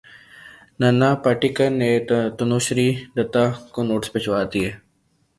نانا پاٹیکر نے تنوشری دتہ کو نوٹس بھجوا دیا